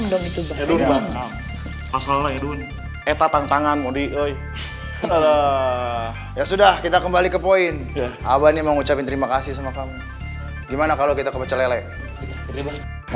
enam dong itu enam yaudah kita kembali ke poin abah ini mengucapkan terima kasih sama kamu gimana kalau kita ke pecelelek